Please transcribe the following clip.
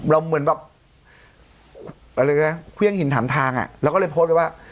เหมือนแบบอะไรนะเครื่องหินถามทางอ่ะเราก็เลยโพสต์ไปว่า